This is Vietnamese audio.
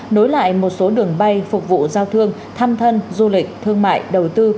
nối lại một số đường bay phục vụ giao thương thăm thân du lịch thương mại đầu tư